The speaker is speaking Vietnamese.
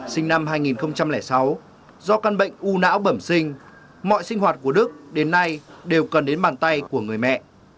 sinh năm hai nghìn sáu do căn bệnh u não bẩm sinh mọi sinh hoạt của đức đến nay đều cần đến bàn tay của người mẹ